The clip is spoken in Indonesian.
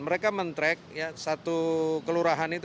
mereka men track satu kelurahan itu